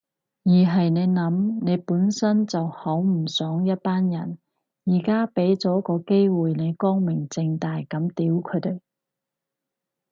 而係你諗，你本身就好唔爽一班人，而家畀咗個機會你光明正大噉屌佢哋